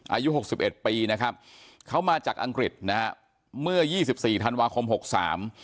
หกสิบเอ็ดปีนะครับเขามาจากอังกฤษนะฮะเมื่อยี่สิบสี่ธันวาคมหกสาม